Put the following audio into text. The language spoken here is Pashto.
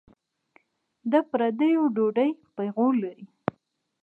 د پردیو ډوډۍ پېغور لري.